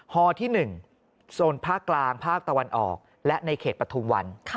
ฮที่๑โซนภาคกลางภาคตะวันออกและในเขตปฐุมวัน